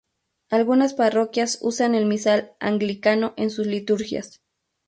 Algunas parroquias usan el Misal Anglicano en sus liturgias.